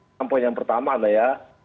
yang poin yang pertama adalah ya